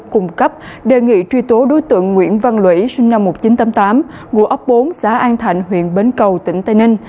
cung cấp đề nghị truy tố đối tượng nguyễn văn lũy sinh năm một nghìn chín trăm tám mươi tám ngụ ấp bốn xã an thạnh huyện bến cầu tỉnh tây ninh